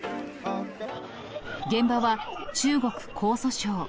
現場は中国・江蘇省。